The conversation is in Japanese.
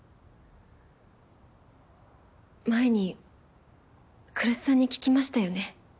前に来栖さんに聞きましたよね。